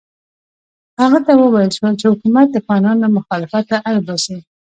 هغه ته وویل شول چې حکومت دښمنان له مخالفته اړ باسي.